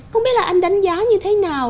không biết là anh đánh giá như thế nào